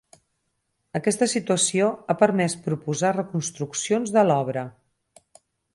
Aquesta situació ha permès proposar reconstruccions de l'obra.